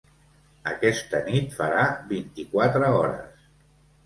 Aquesta nit farà vint-i-quatre hores.